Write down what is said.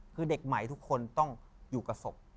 คือเด็กใหม่ทุกคนต้องอยู่กับศพ